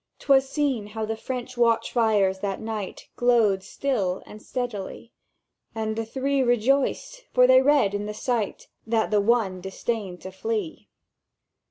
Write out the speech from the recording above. "'Twas seen how the French watch fires that night Glowed still and steadily; And the Three rejoiced, for they read in the sight That the One disdained to flee